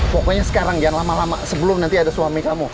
pokoknya sekarang jangan lama lama sebelum nanti ada suami kamu